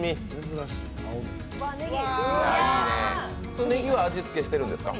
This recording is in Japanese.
そのねぎは味付けしているんですか？